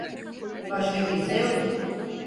Başka kimse yoktu.